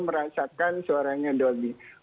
merasakan suaranya dolby